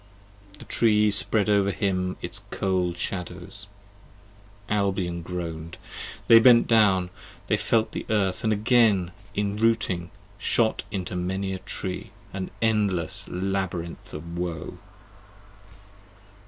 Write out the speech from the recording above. The Tree spread over him its cold shadows, (Albion groan'd) They bent down, they felt the earth and again enrooting Shot into many a Tree: an endless labyrinth of woe!